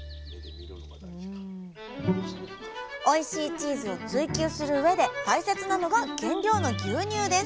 おいしいチーズを追求するうえで大切なのが原料の牛乳です。